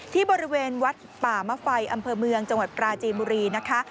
ที่บริเวณวัดป่ามะไฟอำเภอเมืองจังหวัดปราจีนบุรีนะคะ